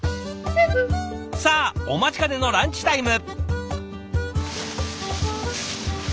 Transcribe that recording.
さあお待ちかねのランチタイム。